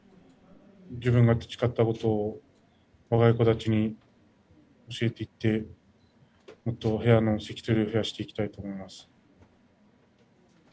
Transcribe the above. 自分が培ったことを若い子たちに教えていってもっと部屋の関取を増やしていきたいと思います。